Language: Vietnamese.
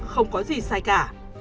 không có gì sai cả